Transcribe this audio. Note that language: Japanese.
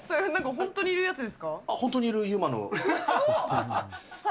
本当にいるＵＭＡの。